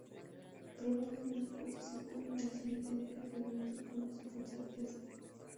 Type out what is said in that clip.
Probablemente participó en el siguiente viaje pero no se conoce con certeza.